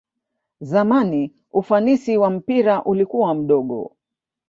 zamani ufanisi wa mpira ulikua mdogo